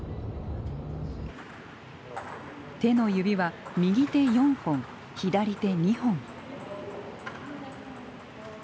手の指は右手４本左手２本。